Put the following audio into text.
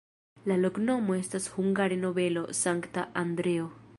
La loknomo estas hungare: nobelo-Sankta Andreo.